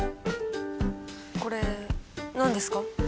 これ何ですか？